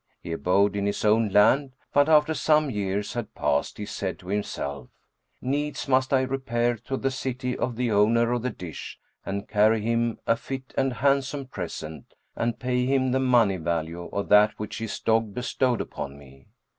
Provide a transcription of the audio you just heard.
He abode in his own land; but after some years had passed he said to himself, "Needs must I repair to the city of the owner of the dish, and, carry him a fit and handsome present and pay him the money value of that which his dog bestowed upon me."